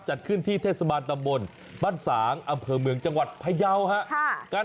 จัดขึ้นที่เทศบาลตำบลบ้านสางอำเภอเมืองจังหวัดพยาวครับ